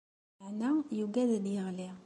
Meɛna yugad ad yeɣli.